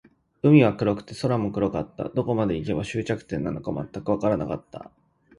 海は黒くて、空も黒かった。どこまで行けば、終着点なのか全くわからなかった。